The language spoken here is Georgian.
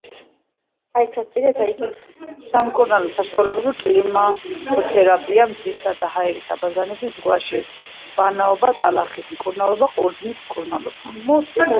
სამკურნალო საშუალებები: კლიმატოთერაპია, მზისა და ჰაერის აბაზანები, ზღვაში ბანაობა, ტალახით მკურნალობა, ყურძნით მკურნალობა.